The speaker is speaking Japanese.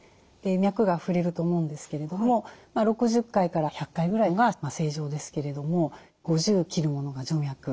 脈がふれると思うんですけれども６０回から１００回ぐらいが正常ですけれども５０を切るものが徐脈。